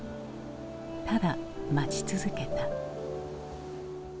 ただ待ち続けた。